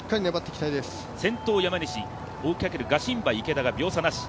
先頭山西、追いかけるガシンバ池田が秒差なし。